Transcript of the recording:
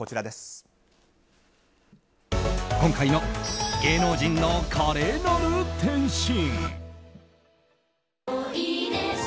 今回の芸能人の華麗なる転身。